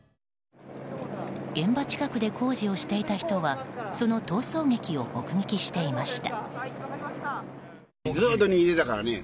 現場近くで工事をしていた人はその逃走劇を目撃していました。